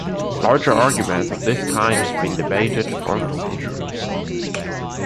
Larger arguments of this kind have been debated for centuries.